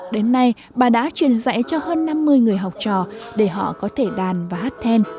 đến nay bà đã truyền dạy cho hơn năm mươi người học trò để họ có thể đàn và hát then